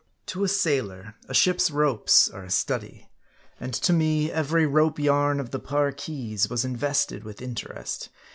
To a sailor, a ship's ropes are a study. And to me, every rope yarn of the Parki's was invested with interest.